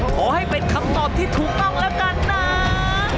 ขอให้เป็นคำตอบที่ถูกต้องแล้วกันนะ